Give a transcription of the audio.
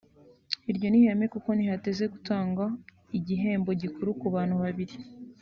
iryo ni ihame kuko ntihateze gutangwa igihembo gikuru ku bantu babiri